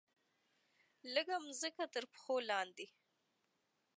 لږه مځکه ترپښو لاندې